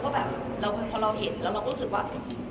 แบบพอเราเห็นแล้วเราก็รู้สึกว่า